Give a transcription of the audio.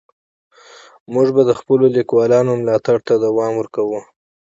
موږ به د خپلو لیکوالانو ملاتړ ته دوام ورکوو.